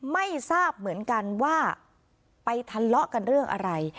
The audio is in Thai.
ไม่ทราบเหมือนกันว่าไปทะเลาะกันเรื่องอะไร